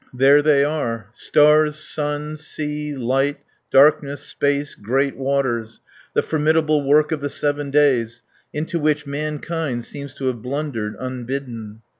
There they are: stars, sun, sea, light, darkness, space, great waters; the formidable Work of the Seven Days, into which mankind seems to have blundered unbidden.